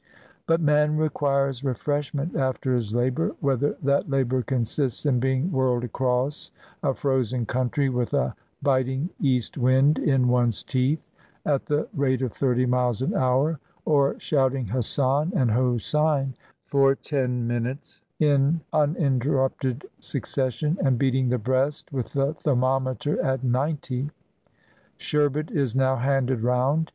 But man requires refreshment after his labor, whether that labor consists in being whirled across a frozen country with a biting east wind in one's teeth, at the rate of thirty miles an hour, or shouting ''Hassan" and "Hosein" for ten minutes in uninterrupted succession and beating the breast with the thermometer at ninety. Sherbet is now handed round.